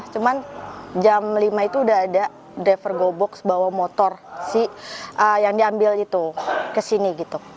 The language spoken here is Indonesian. cuman jam lima itu udah ada driver go box bawa motor si yang diambil itu ke sini gitu